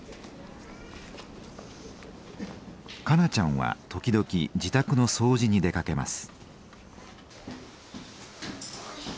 香菜ちゃんは時々自宅の掃除に出かけます。